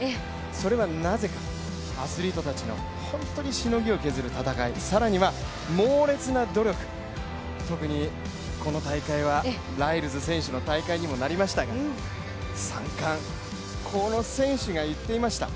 それはなぜか、アスリートたちの本当にしのぎを削る戦い、更には猛烈な努力、特にこの大会はライルズ選手の大会にもなりましたが３冠、この選手が言っていました。